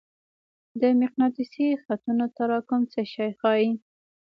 د مقناطیسي خطونو تراکم څه شی ښيي؟